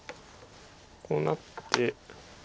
こうなって。